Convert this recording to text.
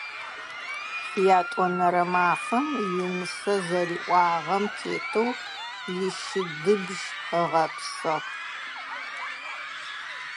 Ятӏонэрэ мафэм инысэ зэриӏуагъэм тетэу ищыдыбжь ыгъэпсыгъ.